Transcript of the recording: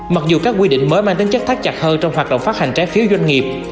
mặc dù các quy định mới mang tính chất thắt chặt hơn trong hoạt động phát hành trái phiếu doanh nghiệp